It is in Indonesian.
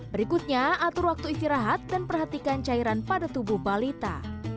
berikutnya atur waktu istirahat dan perhatikan cairan pada tubuh balita